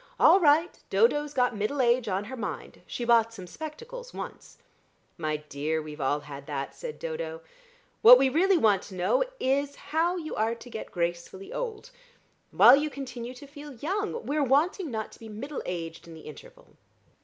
"All right. Dodo's got middle age on her mind. She bought some spectacles once." "My dear, we've had all that," said Dodo. "What we really want to know is how you are to get gracefully old, while you continue to feel young. We're wanting not to be middle aged in the interval.